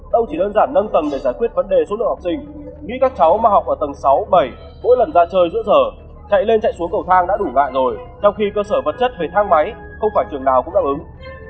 đâu chỉ đơn giản nâng tầng để giải quyết vấn đề số lượng học sinh nghĩ các cháu mà học ở tầng sáu bảy mỗi lần ra chơi giữa giờ chạy lên chạy xuống cầu thang đã đủ ngại rồi trong khi cơ sở vật chất về thang máy không phải trường nào cũng đáp ứng